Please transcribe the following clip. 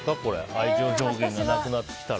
愛情表現がなくなってきたら。